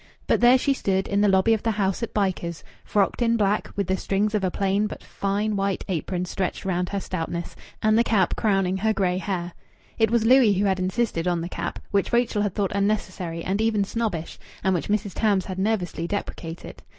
But there she stood, in the lobby of the house at Bycars, frocked in black, with the strings of a plain but fine white apron stretched round her stoutness, and the cap crowning her grey hair. It was Louis who had insisted on the cap, which Rachel had thought unnecessary and even snobbish, and which Mrs. Tams had nervously deprecated.